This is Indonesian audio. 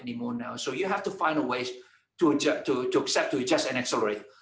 jadi anda harus mencari cara untuk menangani dan mengembangkan